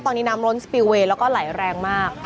ตอนนี้น้ำล้นสปิลเวย์แล้วก็ไหลแรงมาก